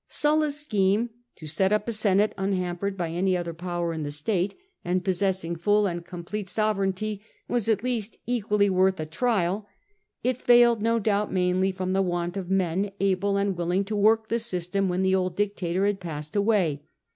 Sulla's scheme, — to set up a Senate unhampered by any other power in the state, and possessing full and complete SULLA 158 sovereignty, was at least equally worthy of a trial. It failed no doubt, mainly from the want of men able and willing to work the system when the old dictator had passed away.